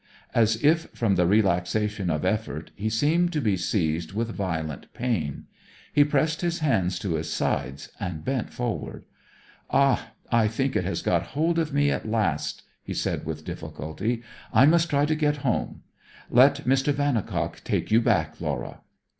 As if from the relaxation of effort he seemed to be seized with violent pain. He pressed his hands to his sides and bent forward. 'Ah! I think it has got hold of me at last,' he said with difficulty. 'I must try to get home. Let Mr. Vannicock take you back, Laura.'